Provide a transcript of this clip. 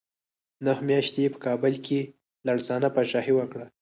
نهه میاشتې یې په کابل کې لړزانه پاچاهي وکړه.